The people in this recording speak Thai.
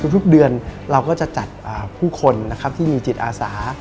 ทุกเดือนเราก็จะจัดผู้คนนะครับที่มีจิตอาสา